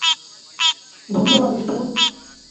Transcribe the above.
ধন্যবাদ, স্টোন।